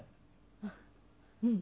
あっうん。